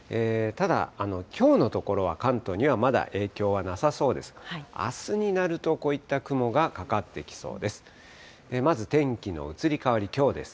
ただ、きょうのところは関東にはまだ影響はなさそうです。